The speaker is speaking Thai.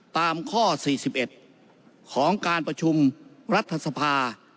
ตามข้อสี่สิบเอ็ดของการประชุมรัฐศภา